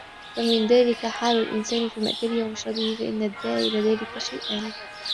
فَمِنْ ذَلِكَ حَالُ الْإِنْسَانِ فِي مَأْكَلِهِ وَمَشْرَبِهِ فَإِنَّ الدَّاعِيَ إلَى ذَلِكَ شَيْئَانِ